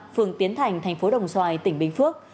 phường tiến thành thành phố đồng xoài tỉnh bình phước